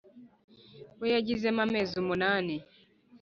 we yagizemo amezi umunani